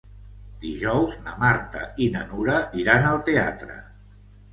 Dijous na Marta i na Nura iran al teatre.